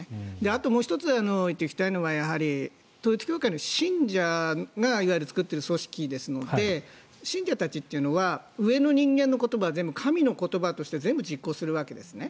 あともう１つ言っておきたいのは統一教会の信者が作っている組織ですので信者たちというのは上の人間たちの言葉は全部神の言葉として全部実行するわけですね。